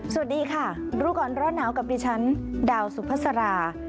สวัสดีค่ะรู้ก่อนร้อนหนาวกับดิฉันดาวสุภาษารา